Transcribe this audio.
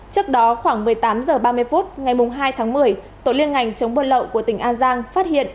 trước đó khoảng một mươi tám h ba mươi phút ngày hai tháng một mươi tổ liên ngành chống buôn lậu của tỉnh an giang phát hiện